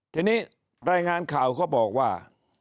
ทีนี้รายงานข่าวเขาบอกว่า